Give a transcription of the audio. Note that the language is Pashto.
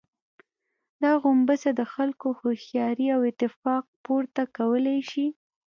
دا غومبسه د خلکو هوښياري او اتفاق، پورته کولای شي.